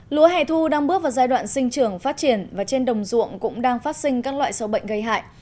lúa hẻ thu đang bước vào giai đoạn sinh trưởng phát triển và trên đồng ruộng cũng đang phát sinh các loại sâu bệnh gây hại